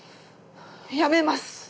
辞めます。